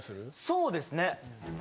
・そうですね。